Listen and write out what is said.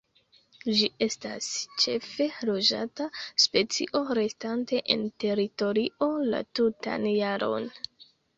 Ĝi estas ĉefe loĝanta specio, restante en teritorio la tutan jaron.